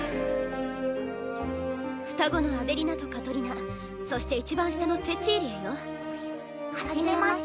双子のアデリナとカトリナそしていちばん下のツェツィーリエよ。はじめまして。